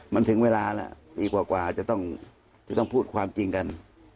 มันถึงเวลาแล้วปีกว่าจะต้องพูดความจริงกัน